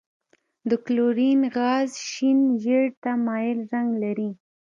د کلورین غاز شین زیړ ته مایل رنګ لري.